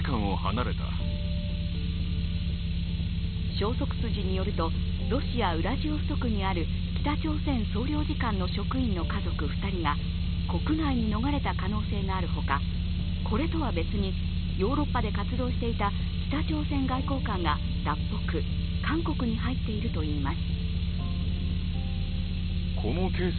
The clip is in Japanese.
消息筋によるとロシア・ウラジオストクにある、北朝鮮総領事館の職員の家族２人が国外に逃れた可能性があるほかこれとは別にヨーロッパで活動していた北朝鮮外交官が脱北、韓国に入っているといいます。